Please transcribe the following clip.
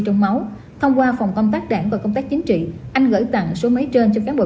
trong máu thông qua phòng công tác đảng và công tác chính trị anh gửi tặng số máy trên cho cán bộ